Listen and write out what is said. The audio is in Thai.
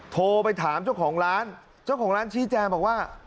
โทรไปถามเจ้าของร้านเจ้าของร้านชี้แจงบอกว่า